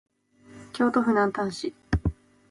京都府南丹市